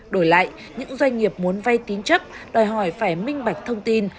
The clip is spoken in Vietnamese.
đổi lại những doanh nghiệp muốn vay tín chấp đòi hỏi phải minh bạch thông tin